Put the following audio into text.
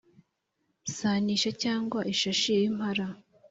sa n’isha cyangwa ishashi y’impara,